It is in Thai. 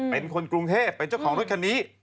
เป็นคนกรุงเทพเป็นเจ้าของรถคันนี้